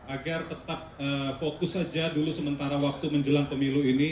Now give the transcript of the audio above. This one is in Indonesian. agar tetap fokus saja dulu sementara waktu menjelang pemilu ini